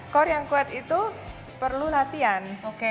core yang kuat itu perlu latihan